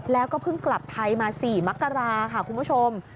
แล้วก็เพิ่งกลับไทยมา๔มกราค่ะคุณผู้ชม